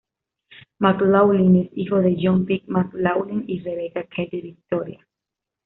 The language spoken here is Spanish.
McLaughlin es hijo de John P. McLaughlin y Rebecca Kay De Victoria.